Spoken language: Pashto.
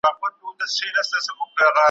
هم یې بوی هم یې لوګی پر ځان منلی `